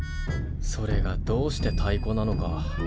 それがどうしてたいこなのか。